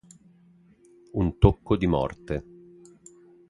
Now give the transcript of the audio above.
Un tocco di morte